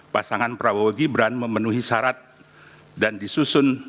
pasangan prabowo gibran memenuhi syarat dan disusun